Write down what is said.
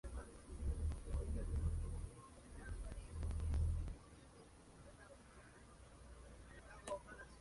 Entra en Vietnam por la provincia de Lao Cai.